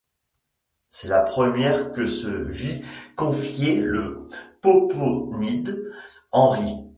C'est la première que se vit confier le popponide Henri.